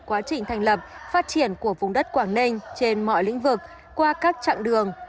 quá trình thành lập phát triển của vùng đất quảng ninh trên mọi lĩnh vực qua các chặng đường